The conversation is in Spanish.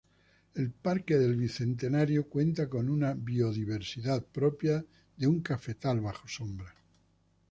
El Parque del Bicentenario cuenta con una biodiversidad propia de un cafetal bajo sombra.